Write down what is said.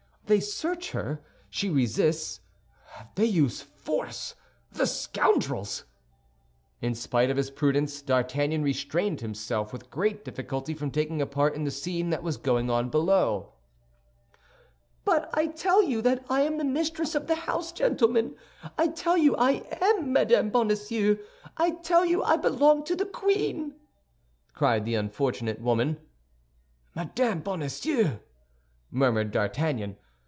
They search her; she resists; they use force—the scoundrels!" In spite of his prudence, D'Artagnan restrained himself with great difficulty from taking a part in the scene that was going on below. "But I tell you that I am the mistress of the house, gentlemen! I tell you I am Madame Bonacieux; I tell you I belong to the queen!" cried the unfortunate woman. "Madame Bonacieux!" murmured D'Artagnan.